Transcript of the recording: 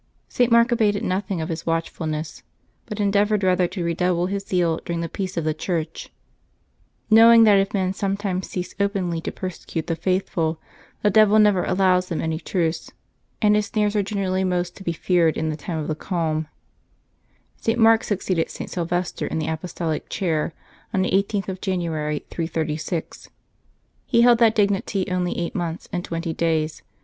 St. Mark abated nothing of his watchfulness, but endeav ored rather to redouble his zeal during the peace of the Church; knowing that if men sometimes cease openly to persecute the faithful, the devil never allows them any truce, and his snares are generally most to be feared in the time of the calm, St. Mark succeeded St Sylvester in the apostolic chair on the 18th of January, 336. He held that dignity only eight months and twenty days, dy ing on the 7th of October following.